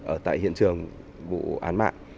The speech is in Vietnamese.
ở tại hiện trường vụ án mạng